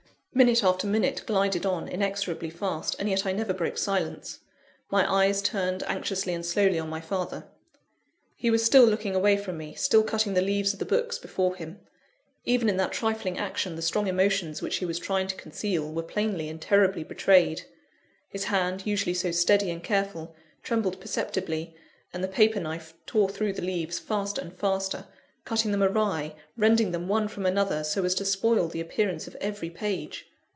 Minute after minute glided on, inexorably fast; and yet I never broke silence. My eyes turned anxiously and slowly on my father. He was still looking away from me, still cutting the leaves of the books before him. Even in that trifling action, the strong emotions which he was trying to conceal, were plainly and terribly betrayed. His hand, usually so steady and careful, trembled perceptibly; and the paper knife tore through the leaves faster and faster cutting them awry, rending them one from another, so as to spoil the appearance of every page.